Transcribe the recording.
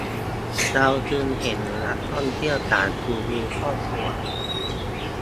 เราจึงเห็นนักท่องเที่ยวต่างจูงมือครอบครัว